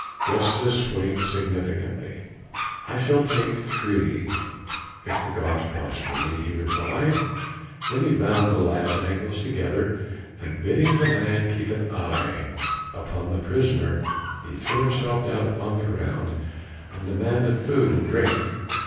Gestas winked significantly. "I shall take three, if the gods prosper me," he replied; then he bound the lad's ankles together, and bidding the man keep an eye upon the prisoner, he threw himself down upon the ground and demanded food and drink.